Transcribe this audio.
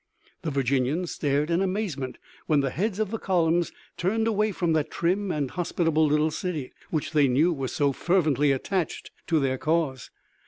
The Virginians stared in amazement when the heads of columns turned away from that trim and hospitable little city, which they knew was so fervently attached to their cause.